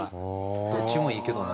どっちもいいけどな。